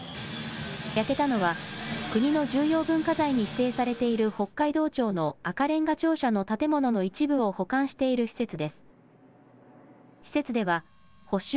焼けたのは国の重要文化財に指定されている北海道庁の赤れんが庁舎の建物の一部を保管している施設です。